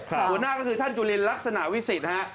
หัวหน้าก็คือท่านจุลินลักษณะวิสิทธิ์ฮะ